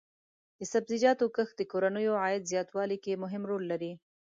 د سبزیجاتو کښت د کورنیو عاید زیاتولو کې مهم رول لري.